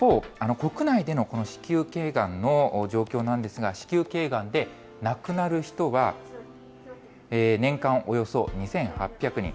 国内でのこの子宮けいがんの状況なんですが、子宮けいがんで亡くなる人は、年間およそ２８００人。